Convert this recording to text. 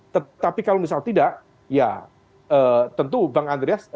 tetapi kalau misal tidak ya tentu bang andreas